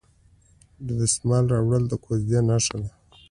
د دسمال راوړل د کوژدې نښه ده.